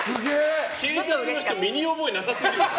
警察の人身に覚えなさすぎる。